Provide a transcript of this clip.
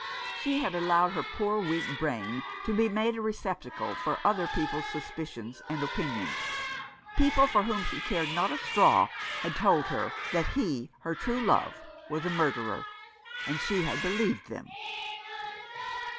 She had allowed her poor weak brain to be made a receptacle for other people's suspicions and opinions. People for whom she cared not a straw had told her that he, her true love, was a murderer, and she had be lieved them.